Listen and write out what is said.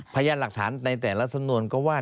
พยานหลักฐานในแต่ละสำนวนก็ว่า